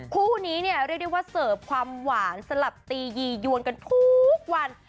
คู่นี้เนี่ยเรียกได้ว่าเสิร์ฟความหวานสลับตียียวนกันทุกวัน